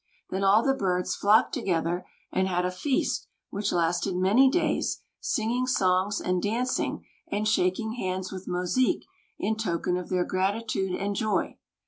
Then all the birds flocked together, and had a feast which lasted many days, singing songs, and dancing, and shaking hands with Mosique in token of their gratitude and joy.